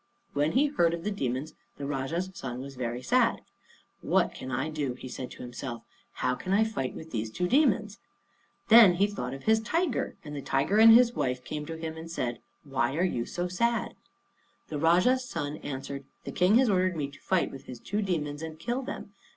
When he heard of the demons the Rajah's son was very sad. "What can I do?" he said to himself. "How can I fight with these two demons?" Then he thought of his tiger: and the tiger and his wife came to him and said, "Why are you so sad?" The Rajah's son answered, "The King has ordered me to fight with his two demons and kill them.